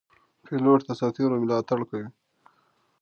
پیلوټ د سرتېرو ملاتړ کوي.